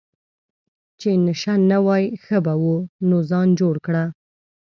چې نشه نه وای ښه به وو، نو ځان جوړ کړه.